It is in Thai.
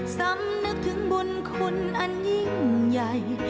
สำนึกถึงบุญคุณอันยิ่งใหญ่